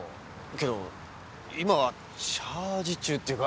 けど今はチャージ中っていうか。